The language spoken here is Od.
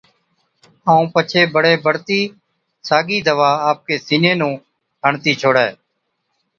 ائُون پڇي بڙي بڙتِي ساگِي دَوا آپڪي سِيني نُون هڻتِي ڇوڙَي۔